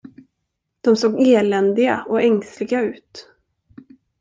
De såg eländiga och ängsliga ut.